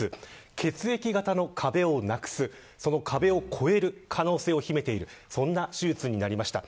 血液型の壁をなくすその壁を超える可能性を秘めているそんな手術になりました。